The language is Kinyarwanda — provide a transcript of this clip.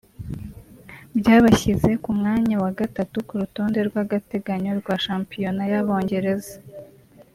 byabashyize ku mwanya wa gatatu ku rutonde rw’agateganyo rwa shampiyona y’Abongereza